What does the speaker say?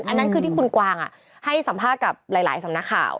อันนั้นคือที่คุณกวางให้สัมภาษณ์กับหลายสำนักข่าว